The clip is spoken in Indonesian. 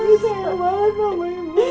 ibu sayang malem kamu ibu